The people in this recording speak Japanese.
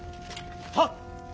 はっ！